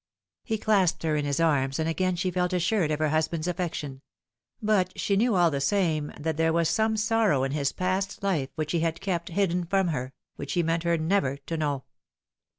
He clasped her in his arms, and again she felt assured of her husband's affection ; but she knew all the same that there was some sorrow in his past life which he had kept bidden from her, which he meant her never to know.